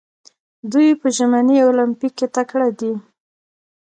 دوی په ژمني المپیک کې تکړه دي.